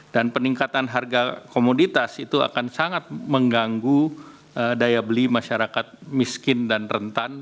dan peningkatan harga komoditas itu akan sangat mengganggu daya beli masyarakat miskin dan rentan